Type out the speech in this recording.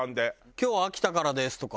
「今日は秋田からです」とか。